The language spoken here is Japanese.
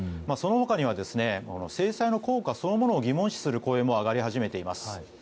その他には制裁の効果そのものを疑問視する声も上がり始めています。